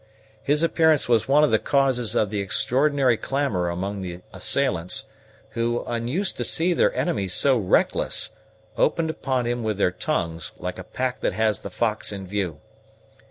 His appearance was one of the causes of the extraordinary clamor among the assailants; who, unused to see their enemies so reckless, opened upon him with their tongues, like a pack that has the fox in view.